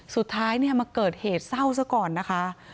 สุดท้ายมาเกิดเหตุเศร้าซะก่อนนะคะ